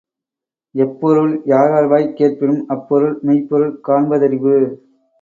எப்பொருள் யார்யார்வாய் கேட்பினும் அப்பொருள் மெய்ப்பொருள் காண்ப தறிவு